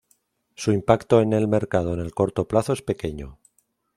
Su impacto en el mercado en el corto plazo es pequeño.